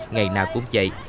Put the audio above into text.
ngày nào cũng vậy